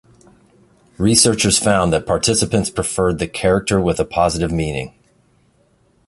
Researchers found that participants preferred the character with a positive meaning.